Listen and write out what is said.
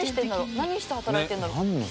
何して働いてるんだろう？